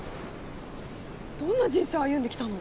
どんな人生歩んできたの。